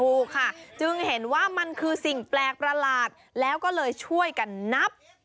ถูกค่ะจึงเห็นว่ามันคือสิ่งแปลกประหลาดแล้วก็เลยช่วยกันนับ